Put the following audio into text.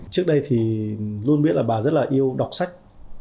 trước đây thì luôn biết là bà rất là yêu đọc sách